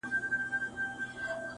ځوانه د لولیو په بازار اعتبار مه کوه-